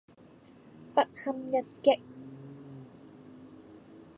不堪一擊